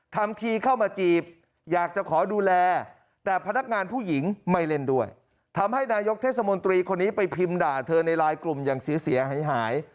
ทำทีเข้ามาจีบอยากจะขอดูแลแต่พนักงานผู้หญิงไม่เล่นด้วยทำให้นายกเทศมนตรีคนนี้ไปพิมพ์ด่าเธอในไลน์กลุ่มอย่างเสียหายหาย